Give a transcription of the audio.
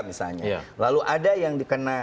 misalnya lalu ada yang dikena